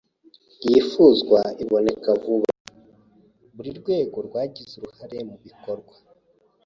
yifuzwa iboneka vuba. Buri rwego rwagize uruhare mu bikorwa